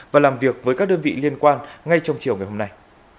và làm việc với các đơn vị liên quan ngay trong chiều ngày hôm nay